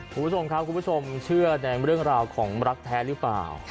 คุณผู้ชมครับคุณผู้ชมเชื่อในเรื่องราวของรักแท้หรือเปล่า